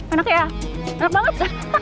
enak ya enak banget